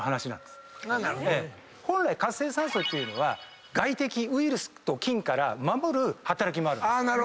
本来活性酸素っていうのは外敵ウイルスと菌から守る働きもあるんです。